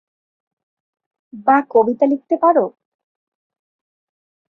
বা কবিতা লিখতে পারো?